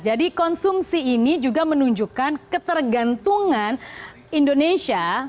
jadi konsumsi ini juga menunjukkan ketergantungan indonesia